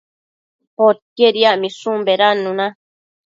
Poquied yacmishun bedannuna